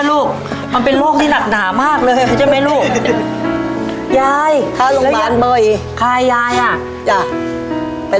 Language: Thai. แล้วก็ไหวะฉือ